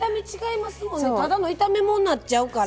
ただの炒め物になっちゃうから。